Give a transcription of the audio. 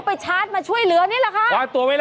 วางตัวไว้แล้ว